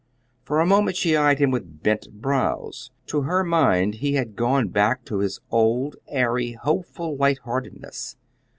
For a moment she eyed him with bent brows. To her mind he had gone back to his old airy, hopeful light heartedness.